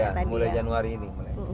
ya mulai januari ini